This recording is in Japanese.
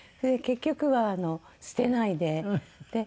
結局は捨てないで。